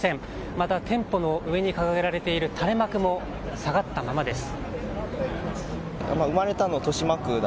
また店舗の上に掲げられている垂れ幕も下がったままです。